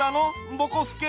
ぼこすけ。